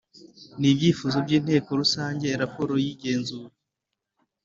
n ibyifuzo by inteko rusange Raporo y igenzura